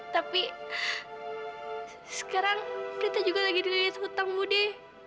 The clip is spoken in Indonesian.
tapi sekarang prita juga sedang di liat hutang budi